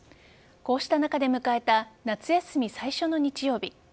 こうした中で迎えた夏休み最初の日曜日。